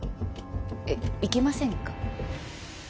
えっいけませんか？